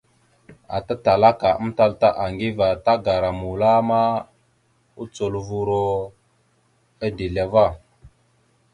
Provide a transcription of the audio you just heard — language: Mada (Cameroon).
Ata Talaka amtal ata Aŋgiva tagara mula ma, ocolovura a dezl ava.